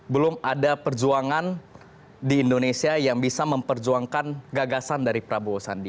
belum ada perjuangan di indonesia yang bisa memperjuangkan gagasan dari prabowo sandi